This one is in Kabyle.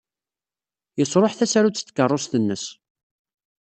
Yesṛuḥ tasarut n tkeṛṛust-nnes.